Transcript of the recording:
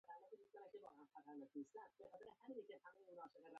اين کوې که بېن کوې دا پټی به شين کوې.